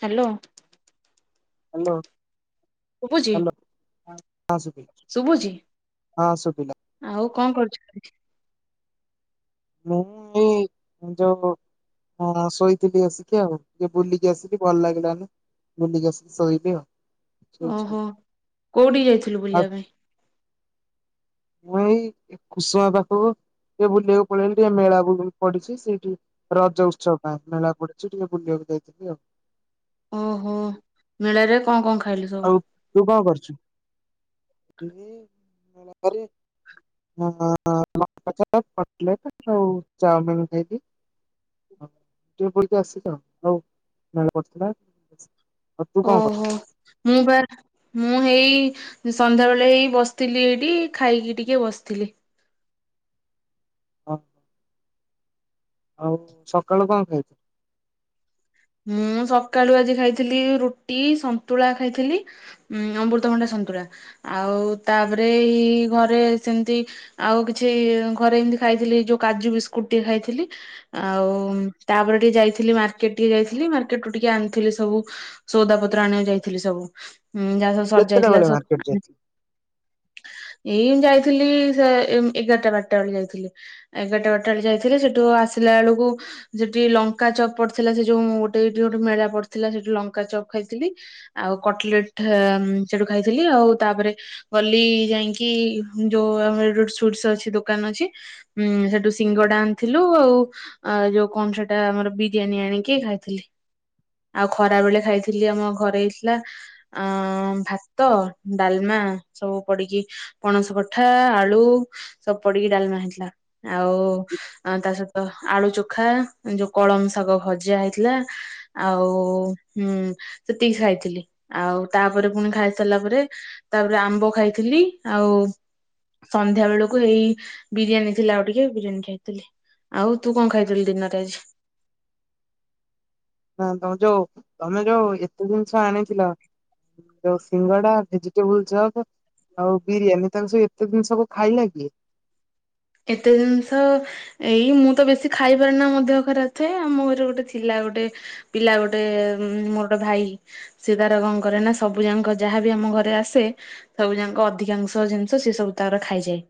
Hello. Hello. ଶୁଭୁଛି hello ହଁ ଶୁଭିଲା ଶୁଭୁଛି। ହଁ ଶୁଭିଲା ଆଉ କଣ କରୁଛୁ? [unintelligible] ମୁଁ ଏଇ ସଞ୍ଜ ହଁ ଶୋଇଥିଲି ଆସିକି ଆଉ। ଟିକେ ବୁଲିକି ଆସିକି ଭଲ ଲାଗିଲାନି। ବୁଲିକି ଆସିକି ସୋଇଲି ଆଉ। ଶୋଇଛି ଟିକେ ଓହୋ କୋଉଠି କି ଯାଇଥିଲୁ ବୁଲିବା ପାଇଁ? ମୁ ଏଇ ଖୁସମା ପାଖକୁ ଏ ବୁଲିବାକୁ ପଳେଇଲି ଟିକେ ମେଳା ବୁ ବୁ ପଡିଛି ସେଇଠି ରଜ ଉତ୍ସବ ପାଇଁ ମେଳା ପଡିଛି ଟିକେ ବୁଲିବାକୁ ଯାଇଥିଲି ଆଉ। ଓହୋ ମେଳାରେ କଣ କଣ ଖାଇଲୁ ସ ଆଉ ତୁ କଣ କରଛୁ? ଏହେ [unintelligible] [unintelligible] କଟଲେଟ ଆଉ ଚାଉମିିନ ଖାଇକି [unintelligible] ଆଉ ତୁ କଣ କରୁଛୁ? ଓହୋ ମୁଁ ବାର ମୁଁ ହେଇ ସଂନ୍ଧ୍ୟା ବେଳେ ହେଇ ବସିଥିଲି ଏଇଠି ଖାଇକି ଟିକେ ବସିଥିଲି। ହଁ। ଆଉ ସକାଳୁ କଣ ଖାଇଛ? ମୁଁ ସକାଳୁ ଆଜି ଖାଇଥିଲି ରୁଟି, ସନ୍ତୁଳା ଖାଇଥିଲି। ଉଁ ଅମୃତଭଣ୍ଡା ସନ୍ତୁଳା ଆଉ ତାପରେ ଏଇ ଘରେ ସେମତି ଆଉ କିଛି ଘରେ ଏମିତି ଖାଇଥିଲି ଯୋଉ କାଜୁ ବିସ୍କୁଟ ଟିକେ ଖାଇଥିଲି। ଆଉ ତାପରେ ଟିକେ ଯାଇଥିଲି ମାର୍କେଟ। ଟିକେ ଯାଇଥିଲି ମାର୍କେଟ ରୁ ଟିକେ ଆଣିଥିଲି ସବୁ ସଉଦା ପତ୍ର ଆଣିବାକୁ ଯାଇଥିଲି ସବୁ ଉଁ ଯା [unintelligible] ସରି କେତେଟା ଯାଇଥିଲା ବେଳେ ସବ ମାର୍କେଟ ହୁଁ। ଯାଇଥିଲ? ଏଇ ଯାଇଥିଲି ସେ ଉଁ ଏଗାରଟା ବାରଟା ବେଳେ ଯାଇଥିଲି। ଏଗାରଟା ବାରଟା ବେଳେ ଯାଇଥିଲି ସେଠୁ ଆସିଲା ବେଳକୁ ସେଠି ଲଙ୍କା ଚପଟ ଥିଲା ସେ ଯୋଉ ମୁଁ ଗୋଟେ ଏଇଠି ଗୋଟେ ମେଳା ପଡିଥିଲା ସେଇଠି ଲଙ୍କା ଚପ୍ ଖାଇଥିଲି। ଆଉ କଟଲେଟ ହେ ଉଁ ସେଠୁ ଖାଇଥିଲି ଆଉ ତାପରେ ଗଲି ଯାଇକି ଯୋଉ ଆମ ରୁଟ ସୁଟସ ଅଛି ଦୋକାନ ଅଛି ଉଁ ସେଠୁ ସିଙ୍ଗଡା ଆଣିଥିଲୁ ଆଉ ଯୋଉ କଣ ସେଟା ଆମର ବି ବିରିୟାନୀ ଆଣିକି ଖାଇଥିଲି। ଆଉ ଖରା ବେଳେ ଖାଇଥିଲି ଆମ ଘରେ ହେଇଥିଲା ଅଁ ଭାତ, ଡାଲମା ସବୁ ପଡିକି ପଣସ କଠା, ଆଳୁ ସବୁ ପଡିକି ଡାଲମା ହେଇଥିଲା ଆଉ ଅ ତା ସହିତ ଆଳୁ ଚୋଖା ଯୋଉ କଳମ ଶାଗଭଜା ହେଇଥିଲା ଆଉ ହୁଁ ସେତିକି ଖାଇଥିଲି ଆଉ ତାପରେ ପୁଣି ଖାଇସାରିଲା ପରେ ତାପରେ ଆମ୍ବ ଖାଇଥିଲି ଆଉ ସନ୍ଧ୍ୟାବେଳକୁ ଏଇ ବିରିୟାନୀ ଥିଲା ଆଉ ଟିକେ ବିରିୟାନୀ ଖାଇଥିଲି। ଆଉ ତୁ କଣ ଖାଇଥିଲୁ ଦିନରେ ଆଜି? ନା ତମ ଯୋଉ ତମେ ଯୋଉ ଏତେ ଜିନିଷ ଆଣିଥିଲ ଯୋଉ ସିଙ୍ଗଡା ଭେଜିଟେବୁଲ ଚପ୍ ଆଉ ବିରିୟାନୀ ତାଙ୍କ ସବୁ ଏତେ ଜିନିଷ ସବୁ ଖାଇଲା କିଏ? ଏତେ ଜିନିଷ ଏଇ ମୁଁ ତ ବେଶୀ ଖାଇପାରେ ନା ମୋ ଦେହ ଖରାପ୍ ଥାଏ, ଆମ ଘରେ ଗୋଟେ ଥିଲା ଗୋଟେ ପିଲା ଗୋଟେ ମୋର ଗୋଟେ ଭାଇ। ସିଏ ତାର କଣ କରେ ନା ସବୁ ଜାଙ୍କ ଯାହାବି ଆମ ଘରେ ଆସେ ସବୁ ଜାଙ୍କ ଅଧିକାଂଶ ଜିନିଷ ସେ ସବୁ ତାର ଖାଇଯାଏ।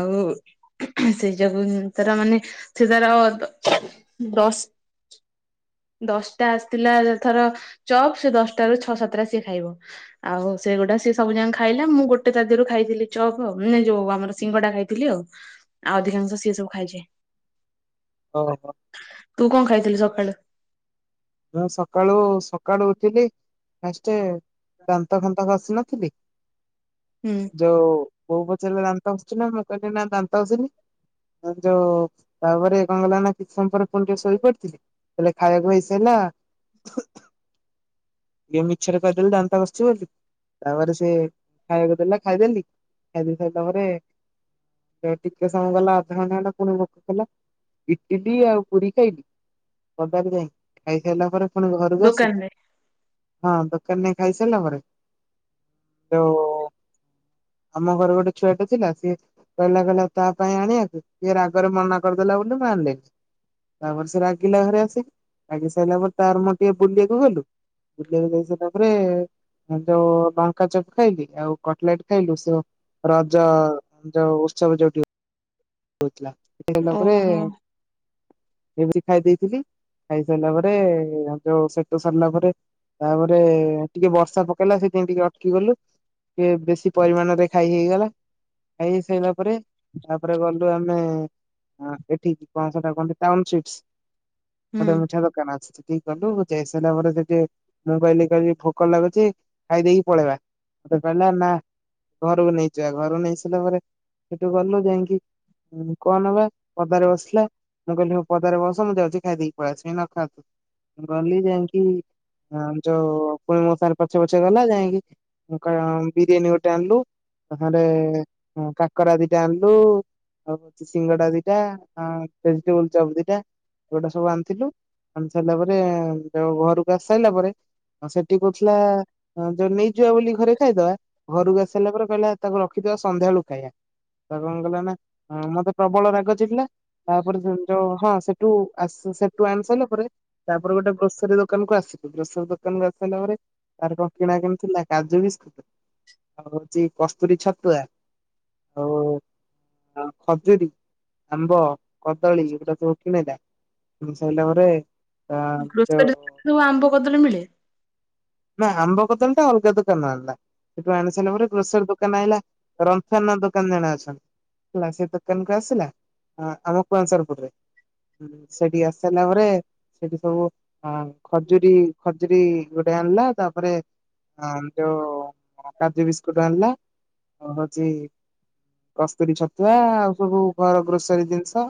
ଆଉ ସେଇ ଜାଗା କୁୁ ତାର ମାନେ ସେ ତାର ଦଶ ଦଶଟା ଆସିଥିଲା ଥର ଚପ୍ ସେ ଦଶଟାରୁ ଛଅ ସାତଟା ସିଏ ଖାଇବ। ଆଉ ସେଗୁଡା ସିଏ ସବୁ ଯାଙ୍କ ଖାଇଲା। ମୁଁ ଗୋଟେ ତା ଦେହରୁ ଖାଇଥିଲି ଚପ୍ ଆଉ ନା ଯୋଉ ଆମର ସିଙ୍ଗଡ଼ା ଖାଇ ଥିଲି ଆଉ। ଆଉ ଅଧିକାଂଶ ସିଏ ସବୁ ଖାଇଚି। [unintelligible] ତୁ କଣ ଖାଇଥିଲୁ ସକାଳୁ? ମୁଁ ସକାଳୁ ସକାଳୁ ଉଠିଲି ଫାଷ୍ଟ ଦାନ୍ତ ଫାନ୍ତ ଖସି ନଥିଲି ହୁଁ। ଯୋଉ ବୋଉ ପଚାରିଲା ଦାନ୍ତ ଘଷିଚୁ ନା ମୁଁ କହିଲି ନା ଦାନ୍ତ ଘଷିନି। ଯଉ ତାପରେ କଣ ହେଲା ନା କିଛି ସମୟ ପରେ ପୁଣି ଟିକେ ଶୋଇପଡିଥିଲି କହିଲେ ଖାଇବାକୁ ହେଇ ହେଲା। ଇଏ ମିଛରେ କହିଦେଲେ ଦାନ୍ତ ଘଷିଚି ବୋଲି। ତାପରେ ସେ ଖାଇବାକୁ ଦେଲା ଖାଇଦେଲି। ଖାଇଦେଇ ସାରିଲା ପରେ ଟିକେ ସମୟ ଗଲା ଅଧଘଣ୍ଟା ଖଣ୍ଡେ ପୁଣି ଭୋକ କଲା। ଇଟିଲି ଆଉ ପୁରୀ ଖାଇଲିି ପଦାରେ ଯାଇଁ। ଖାଇସାରିଲା ପରେ ପୁଣି ଘରକୁ ଆସିଲି। ଦୋକାନରେ। ହଁ ଦୋକାନ ରେ ଖାଇସାରିଲା ପରେ। ଯୋ ଆମ ଘର ଗୋଟେ ଛୁଆଟା ଥିଲା ସିଏ ମନା କଲା ତା ପାଇଁ ଆଣିବାକୁ ଇଏ ରାଗରେ ମନା କରିଦେଲା ବୋଲି ମୁଁ ଆଣିଲିନି। ତାପରେ ସେ ରାଗିଲା ଘରେ ଆସିକି। ରାଗି ସାରିଲା ପରେ ତାର ମୁଁ ଟିକେ ବୁଲିବାକୁ ଗଲୁ। ବୁଲିବାକୁ ଯାଇ ସାରିଲା ପରେ ହେଠୁ ଲଙ୍କା ଚପ୍ ଖାଇଲି ଆଉ କଟଲେଟ୍ ଖାଇଲୁ। ସେଉ ରଜ ଯୋଉ ଉତ୍ସବ ଯୋଉଠି ହଉଥିଲା ଓହୋ [unintelligible] ଏମତି ଖାଇ ଦେଇଥିଲି। ଖାଇ ସାରିଲା ପରେ ଯୋଉ ସେଠୁ ସରିଲା ପରେ ତାପରେ ଟିକେ ବର୍ଷା ପକେଇଲା ସେଇଥିପାଇଁ ଟିକେ ଅଟକି ଗଲୁ। ଟିକେ ବେଶୀ ପରିମାଣ ରେ ଖାଇ ହେଇଗଲା। ଖାଇ ହେଇ ସାରିଲା ପରେ ତାପରେ ଗଲୁ ଗଲୁ ଆମେ ଏଠିକି କଣ ସେଟା କୁହନ୍ତି ଟାଉନ୍ ସ୍ଵିଟସ୍। ହୁଁ। ଗୋଟେ ମିଠା ଦୋକାନ କାନ ଅଛି। ସେଠିକି ଗଲୁ ଯାଇସାରିଲା ପରେ ସେଠି ମୁଁ କହିଲି କହିଲି ଭୋକ ଲାଗୁଚି ଖାଇଦେଇକି ପଳେଇବା। ମତେ କହିଲା ନା ଘରକୁ ନେଇଯିବା। ଘରକୁ ନେଇ ସାରିଲା ପରେ ହେଠୁ ଗଲୁ ଯାଇଁକି କୁହନା ବା ପଦାରେ ବସିଲା। ମୁଁ କହିଲି ହଉ ପଦାରେ ବସ ମୁଁ ଯାଉଚି ଖାଇ ଦେଇକି ପଳେଇ ଆସିବି। ନଖା ତୁ। ଗଲି ଯାଇଁକି ଯୋଉ ପୁଣି ମୋ ସାଙ୍ଗରେ ପଛେ ପଛେ ଗଲା ଯାଇଁକି [unintelligible] ବିରିୟାନୀ ଗୋଟେ ଆଣିଲୁ ତା ସାଙ୍ଗରେ କାକରା ଦିଟା ଆଣିଲୁ। ଆଉ ହଉଚି ସିଙ୍ଗଡା ଦିଟା, ଆ ଭେଜିଟେବୁଲ ଚପ୍ ଦିଟା। ଏଇ ଗୁଡା ସବୁ ଆଣିଥିଲୁ। ଆଣି ସାରିଲା ପରେ ଘରକୁ ଯୋଉ ଆସି ସାରିଲା ପରେ ସେଠି କହୁଥିଲା ଯୋଉ ନେଇଯିବା ବୋଲି ଘରେ ଖାଇଦବା। ଘରକୁ ଆସି ସାରିଲା ପରେ କହିଲା ତାକୁ ରଖିଥିବା ସନ୍ଧ୍ୟାଳୁ ଖାଇବା ତା କଣ କଲା ନା ମତେ ପ୍ରବଳ ରାଗ ଚିଡିଲା ତାପରେ ଯେମିତି ହଁ ସେଠୁ ଆସି ସେ ଥୁ ଆଣି ସାରିଲା ପରେ ତାପରେ ଗୋଟେ ଗ୍ରୋସରୀ ଦୋକାନ କୁ ଆସିଲୁ ଗ୍ରୋସରୀ ଦୋକାନ କୁ ଆସିଲା ପରେ ଆର କଣ କିଣା କିିଣିଥିଲା କାଜୁ ବିସ୍କୁଟ। ଆଉ ହଉଛି କସ୍ତୁରୀ ଛତୁଆ ଆଉ ଖଜୁରୀ ଆମ୍ବ କଦଳୀ ଏଗୁଡା ସବୁ କିଣିଲା। ସାରିଲା ପରେ ତା ଯୋଉ ଗ୍ରୋସରୀ ସବୁ ଆମ୍ବ କଦଳୀ ମିଳେ? ନା ଆମ୍ବ କଦଳି ଟା ଅଲଗା ଦୋକାନରୁ ଆଣିଲା। ସେଠୁ ଆଣି ସାରିଲା ପରେ ଗ୍ରୋସରି ଦୋକାନ ଆଣିଲା ରନ୍ଥନା ଦୋକାନ ଜଣେ ଅଛନ୍ତି। ହେଲା ସେ ଦୋକାନ କୁ ଆସିଲା ଆମ ସେଠି ଆସିସାରିଲା ପରେ ସେଠି ସବୁ ଖଜୁରୀ ଖଜୁରୀ ଗୋଟେ ଆଣିଲା ତାପରେ ଯୋଉ କାଜୁ ବିସ୍କୁଟ ଆଣିଲା। ହ ହଉଛି କସ୍ତୁରୀ ଛତୁଆ ଆଉ ସବୁ ଘର ଗ୍ରୋସରୀ ଜିନିଷ।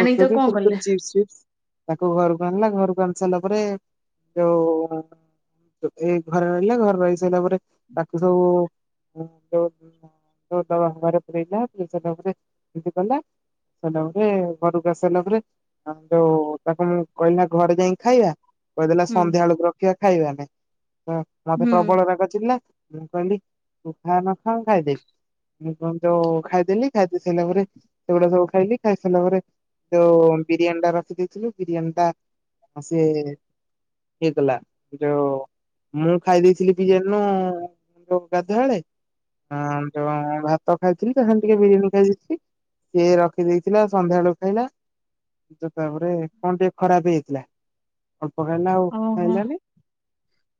ଆଣିକି ତାକୁ କଣ କଲେ? ଫୁରକୁରି ଚିପ୍ସ ଫିପ୍ସ ତାକୁ ଘରକୁ ଆଣିଲା ଘରକୁ ଆଣି ସାରିଲା ପରେ ଯୋଉ ଏଇ ଘରେ ରହିଲେ ଘରେ ରହି ସାରିଲା ପରେ ତାକୁ ସବୁ ଯୋ [unintelligible] ସେଲବରେ ଘରକୁ ଆସି ସରିଲାପରେ ହ ଯୋଉ ତାକୁ ମୁଁ କହିଲି ଘରେ ଯାଇକି ଖାଇବା। କହିଦେଲା ହୁଁ ସନ୍ଧ୍ୟା ବେଳକୁ ରଖିବା ଖାଇବାନାଇ ତ ମତେ ହୁଁ ପ୍ରବଳ ରାଗ ଚିଡିଲା। ମୁଁ କହିଲି ତୁ ଖା ନ ଖା ମୁ ଖାଇଦବି। ଜଉ ଖାଇଦେଲି ଖାଇଦେଇ ସାରିଲା ପରେ ସେଗୁଡା ସବୁ ଖାଇଲି ଖାଇସାରିଲା ପରେ ଯଉ ବିରିୟାନୀ ଟା ରଖି ଦେଇଥିଲୁ ବିରିୟାନୀ ଟା ଆ ସେ ହେଇଗଲା। ଯୋଉ ମୁଁ ଖାଇ ଦେଇଥିଲି ବିରିୟାନୁ ଯୋଉ ଗାଧୁଆବେଳେ। ହଁ ଯୋଉ ଭାତ ଖାଇଥିଲି ତା ଟିକେ ବିରିୟାନୀ ଖାଇ ଦେଇଥିଲି। ସିଏ ରଖିଦେଇଥିଲା ସନ୍ଧ୍ୟାବେଳୁ ଖାଇଲା। ଜୋ ତାପରେ କଣ ଟିକେ ଖରାପ ହେଇଥିଲା ଅଳ୍ପ ଖାଇଲା ଆଉ ଓହୋ ଖାଇଲାନି।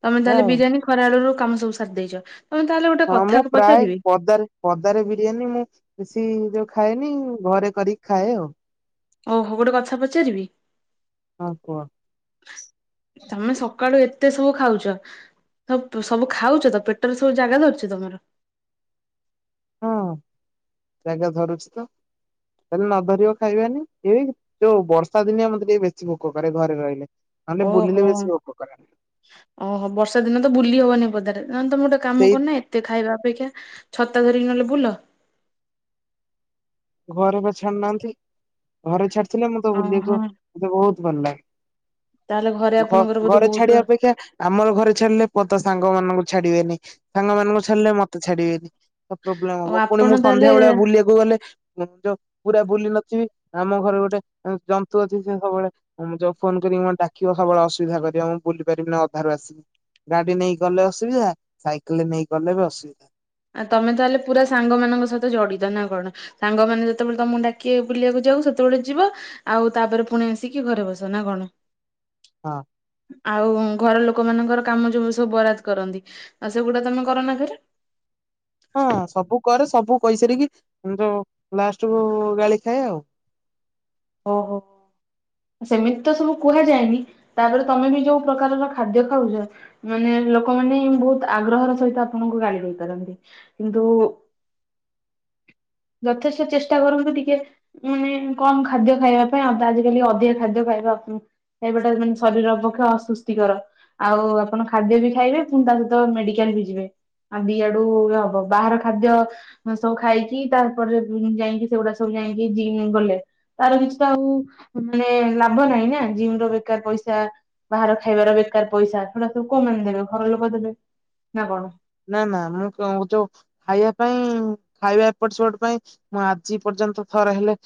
ତମେ ତାହେଲେ ଆଉ। ବିରିୟାନୀ ଖରା ବେଳରୁ କାମ ସବୁ ସାରି ଦେଇଛ। ତମେ ତାହେଲେ ଗୋଟେ ହଁ କଥା ମୁଁ ପ୍ରାୟ ପଚାରିବି ପଦାରେ ପଦାରେ ବିରିୟାନୀ ମୁଁ ବେଶୀ ଯୋଉ ଖାଏନି ଘରେ କରିକି ଖାଏ ଆଉ। ଓହୋ ଗୋଟେ କଥା ପଚାରିବି? ହଁ କୁହ। ତମେ ସକାଳୁ ଏତେ ସବୁ ଖାଉଛ। ହ ସବୁ ଖାଉଛ ତ ପେଟରେ ସବୁ ଜାଗା ଧରୁଛ ତମର। ହଁ ଜାଗା ଧରୁଛି ତ। ତାହେଲେ ନ ଧରିବ ଖାଇବାନି ଏଇଏ ଯୋଉ ବର୍ଷା ଦିନିଆ ମତେ ଟିକେ ବେଶୀ ଭୋକ କରେ ଘରେ ରହିଲେ। ଓହୋ। [unintelligible] ଓହୋ ବର୍ଷା ଦିନ ତ ବୁଲି ହବନି ପଦାରେ ତମେ ଗୋଟେ କାମ ସେଇ କରୁନ ଏ ଟେ ଖାଇବା ଅପେକ୍ଷା ଛତା ଧରିକି ନହେଲେ ବୁଲ। ଘରେ ବା ଛାଡୁନାହାନ୍ତି। ଘରେ ଛାଡିଥିଲେ ମୁଁ ତ ବୁଲିବାକୁ ଓହୋ ମତେ ବହୁତ ଭଲ ଲାଗେ। ତାହେଲେ ଘରେ ଘ ଆପଣଙ୍କର ବୋଧେ ଘରେ ବହୁତ ଛାଡିବା ଅପେକ୍ଷା ଆମର ଘରେ ଛାଡିଲେ ପୋ ତ ସାଙ୍ଗମାନଙ୍କୁ ଛାଡିବେନି ସାଙ୍ଗ ମାନଙ୍କୁ ଛାଡିଲେ ମତେ ଛାଡିବେନି। କ ପ୍ରୋବଲେମ୍ ଓ ହବ ପୁଣି ଆପଣ ମୁଁ ତାହେଲେ ସନ୍ଧ୍ୟାବେଳିଆ ବୁଲିବାକୁ ଗଲେ ଯୋଉ ପୁରା ବୁଲି ନଥିବି ଆମ ଘରେ ଗୋଟେ ଜନ୍ତୁ ଅଛି ସେ ସବୁବେଳେ ହଁ ଯାଉ ଫୋନ କରି ମତେ ଡାକିବ ସବୁବେଳେ ଅଶୁବିଧା କରିବା ମୁଁ ବୁଲି ପାରିବିନି ଅଧାରୁ ଆସିବି। ଗାଡ଼ି ନେଇକି ଗଲେ ଅସୁବିଧା ସାଇକେଲ୍ ରେ ନେଇ ଗଲେ ବି ଅସୁବିଧା। ଆ ତମେ ତାହଲେ ପୁରା ସାଙ୍ଗମାନଙ୍କ ସହିତ ଜଡ଼ିତ ନା କଣ? ସାଙ୍ଗମାନେ ଯେତେବେଳେ ତମକୁ ଡାକିବେ ବୁଲିବାକୁ ଯାଉ ସେତେବେଳେ ଯିବ ଆଉ ତାପରେ ପୁଣି ଆସିକି ଘରେ ବସ ନା କଣ? ହଁ। ଆଉ ଘର ଲୋକ ମାନଙ୍କର କାମ ଯୋଉ ସବୁ ବରାଦ କରନ୍ତି ଆଉ ସେଗୁଡ଼ା ତମେ କର ନା ଘେରେ? ହଁ ସବୁ କରେ ସବୁ କହିସାରିକି ଜଉ ଲାଷ୍ଟ କୁ ଗାଳି ଖାଏ ଆଉ। ଓହୋ। ସେମିତି ତ ସବୁ କୁହାଯାଏନି ତାପରେ ତମେ ବି ଯୋଉ ପ୍ରକାରର ଖାଦ୍ୟ ଖାଉଚ ମାନେ ଲୋକମାନେ ବହୁତ ଆଗ୍ରହର ସହିତ ଆପଣଙ୍କୁ ଗାଳି କରିପାରନ୍ତି। କିନ୍ତୁ ଯଥେଷ୍ଟ ଚେଷ୍ଟା କରନ୍ତୁ ଟିକେ ମାନେ କମ ଖା ଖାଦ୍ୟ ଖାଇବା ପାଇଁ ଆଉ ତ ଆଜିିକାଲି ଅଧିକା ଖାଦ୍ୟ ଖାଇବା ଆପ ଏବେଟା ଶରୀର ଅପେକ୍ଷା ଆସୁସ୍ତିକର। ଆଉ ଆପଣ ଖାଦ୍ୟ ବି ଖାଇବେ ପୁଣି ତା ସହିତ ମେଡିକାଲ ବି ଯିବେ। ଆମେ ଇଆଡୁ ଇଏ ହବ ବାହାର ଖାଦ୍ୟ ହଁ ସବୁ ଖାଇକି ତାପରେ ଯାଇକି ସେଗୁଡ଼ା ସବୁ ଯାଇକି ଜିମ୍ ଗଲେ ତାର କିଛି ତ ଆଉ ମାନେ ଲାଭ ନାହିଁ ନା ଜିମ୍ ର ବେକାର ପଇସା ବାହାର ଖାଇବାର ବେକାର ପଇସା ସେଡ଼ା ସବୁ କୋଉମାନେ ଦେବେ ଘର ଲୋକ ଦେବେ ନା କଣ? ନା ନା ମୁଁ କ ଯୋଉ ଖାଇବା ପାଇଁ ଖାଇବା ଏପଟ ସେପଟ ପାଇଁ ମୁଁ ଆଜି ପର୍ଯ୍ୟନ୍ତ ଥରେ ହେଲେ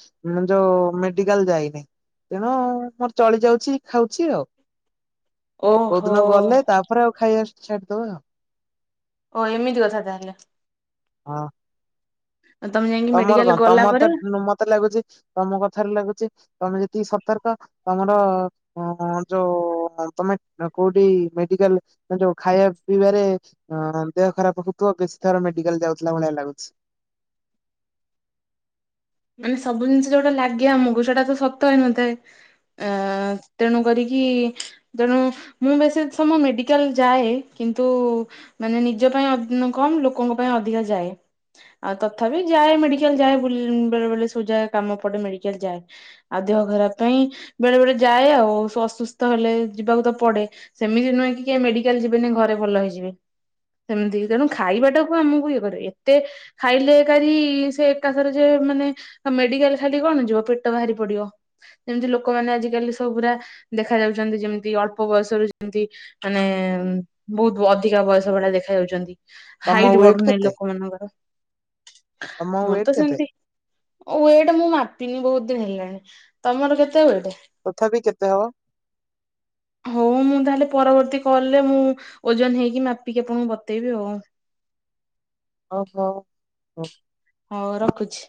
ଯୋଉ ମେଡିକାଲ୍ ଯାଇନି। ତେଣୁ ମୋର ଚଳି ଯାଉଛି ଖାଉଛି ଆଉ କୋଉ ଓହୋ। ଦିନ ଗଲେ ତାପରେ ଆଉ ଖାଇବା ଛାଡ଼ିଦବା ଆଉ ଓ ଏମିତି କଥା ତାହେଲେ ହଁ। ତମେ ଯାଇକି ତମର ମେଡିକାଲ କଣ ଗଲା ତମର ତ ପରେ ମତେ ଲାଗୁଛି ତମ କଥାରେ ଲାଗୁଛି ତମେ ଯେତିକି ସତର୍କ ତମର ଅ ଯୋଉ ତମେ କୋଉଠି ମେଡିକାଲ ଯୋଉ ଖାଇବା ପିଇବାରେ ଅ ଦେହ ଖରାପ ହଉଥିବ ବେଶୀ ଥର ମେଡିକାଲ ଯାଉଥିଲା ଭଳିଆ ଲାଗୁଛି। ମାନେ ସବୁ ଜିନିଷ ଯୋଉଟା ଲାଗେ ଆମକୁ ସେଇଟା ତ ସତ ହେଇନଥାଏ। ଅ ତେଣୁ କରିକି ଯେଣୁ ମୁଁ ବେଶୀ ସମୟ ମେଡିକାଲ ଯାଏ କିନ୍ତୁ ମାନେ ନିଜ ପାଇଁ ଅ କମ୍ ଲୋକଙ୍କ ପାଇଁ ଅଧିକା ଯାଏ। ଆଉ ତଥାପି ଯାଏ ମେଡିକାଲ ଯାଏ ବୁଲ ବେଳେ ବେଳେ ସୁ ଯା କାମ ପଡ଼େ ମେଡ଼ିକାଲ ଯାଏ। ଆଉ ଦେହ ଖରାପ ପାଇଁ ବେଳେ ବେଳେ ଯାଏ ଆଉ ସ ଅସୁସ୍ଥ ହେଲେ ଯିବାକୁ ତ ପଡ଼େ ସେମିତି ନୁହେଁ କି ମେଡିକାଲ ଯିବେ ନି ଘରେ ଭଲ ହେଇଯିବେ ସେମିତି ତେଣୁ ଖାଇବାଟାକୁ ଆମକୁ ଇଏ କରିବ ଏତେ ଖାଇଲେ କାାରି ସେ ଏକାଥରେ ଯେ ମାନେ ମେଡିକାଲ ଖାଲି କଣ ଯିବ ପେଟ ବାହାରି ପଡ଼ିବ। ଯେମିତି ଲୋକମାନେ ଆଜିକାଲି ସବ ପୁରା ଦେଖା ଯାଉଛନ୍ତି ଯେମିତି ଅଳ୍ପ ବୟସରୁ ଯେମତି ମାନେ ବହୁତ ଅଧିକା ବୟସ ଭଳିଆ ଦେଖା ଯାଉଛନ୍ତି। ତମ ହାଇଟ୍ ୱେଟ ବଢୁନି କେତେ ଲୋକ ମାନଙ୍କର ତମ ୱେଟ୍ କେତେ? ୱେଟ ମୁଁ ମାପିନି ବହୁତ ଦିନ ହେଲାଣି, ତମର କେତେ ୱେଟ? ତଥାପି କେତେ ହବ? ହଉ ମୁଁ ତାହେଲେ ପରବର୍ତ୍ତୀ କଲରେ ମୁଁ ଓଜନ ହେଇକି ମାପିକି ଆପଣଙ୍କୁ ବତେଇବି ଆଉ। ଓହୋ। ହଉ ରଖୁଛି।